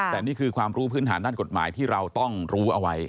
แต่นี่คือความรู้พื้นฐานด้านกฎหมายที่เราต้องรู้เอาไว้